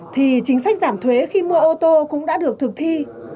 thì chính sách giảm thuế khi mua ô tô cũng đã được thực thi